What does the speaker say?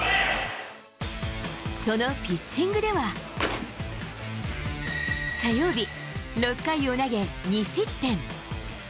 そのピッチングでは、火曜日、６回を投げ２失点。